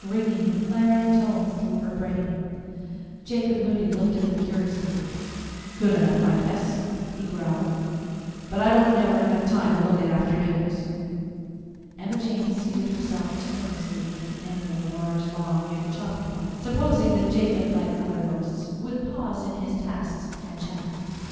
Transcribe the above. ringing in clarion tones through her brain. Jacob Moody looked at her curiously. "Good enough, I guess," he growled; "but I don't never have time to look at afternoons." Emma Jane seated herself timorously on the end of a large log near the chopping block, supposing that Jacob, like other hosts, would pause in his tasks and chat.